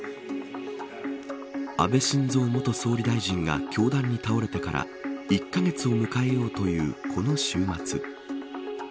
安倍晋三元総理大臣が凶弾に倒れてから１カ月を迎えようというこの週末。